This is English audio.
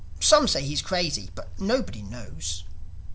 Some say he's crazy, but nobody knows."